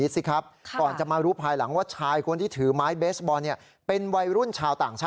สร้างคอนเทนต์แบบนี้ไม่ไหวนะฮะ